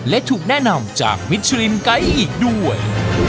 และถูกแนะนำจากมิชรินไกด์อีกด้วย